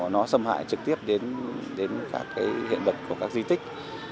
nó xâm hại trực tiếp đến các cái hiện vật của các di tích